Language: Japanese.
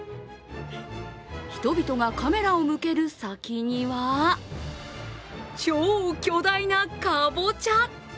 人々がカメラを向ける先には、超巨大なかぼちゃ。